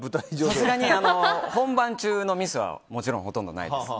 さすがに本番中のミスはもちろん、ほとんどないです。